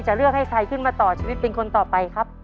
เลือกให้ใครขึ้นมาต่อชีวิตเป็นคนต่อไปครับ